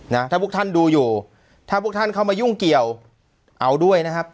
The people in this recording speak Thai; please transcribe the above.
นะถ้าพวกท่านดูอยู่ถ้าพวกท่านเข้ามายุ่งเกี่ยวเอาด้วยนะครับ